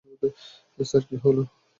Sir, কী হলো?